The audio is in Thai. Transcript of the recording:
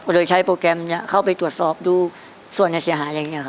โดยใช้โปรแกรมนี้เข้าไปตรวจสอบดูส่วนเสียหายอะไรอย่างนี้ครับ